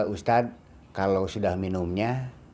ustadz kalau sudah minumnya